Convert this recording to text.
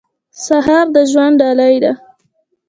سهار د ژوند ډالۍ ده.